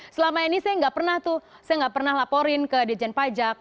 selama ini saya nggak pernah tuh saya nggak pernah laporin ke dijen pajak